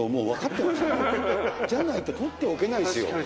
じゃないと取っておけないですよ。